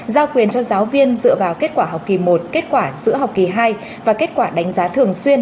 giao quyền cho giáo viên dựa vào kết quả học kỳ một kết quả giữa học kỳ hai và kết quả đánh giá thường xuyên